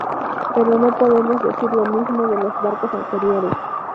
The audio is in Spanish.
Pero no podemos decir lo mismo de los barcos anteriores.